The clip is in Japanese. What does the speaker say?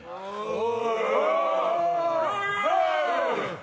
お。